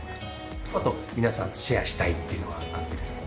あと皆さんとシェアしたいっていうのがあってですね